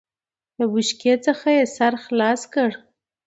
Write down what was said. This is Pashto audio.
له بوشکې څخه يې سر خلاص کړ.